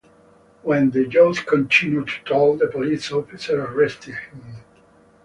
When the youth continued to talk the police officer arrested him.